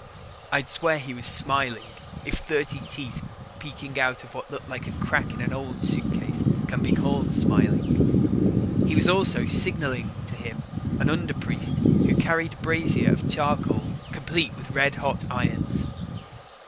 I'd swear he was smiling, if thirty teeth peeking out of what looked like a crack in an old suitcase can be called smiling. He was also signaling to him an underpriest who carried a brazier of charcoal complete with red hot irons.